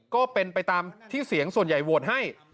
ก็เป็นไปตามที่เสียงส่วนใหญ่โหวตให้